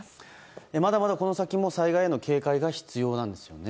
まだまだこの先も災害への警戒が必要なんですよね。